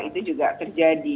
itu juga terjadi